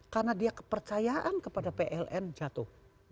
karena dia kepercayaan kepada pln jatuh